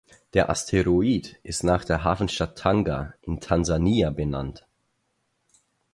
Der Asteroid ist nach der Hafenstadt Tanga in Tansania benannt.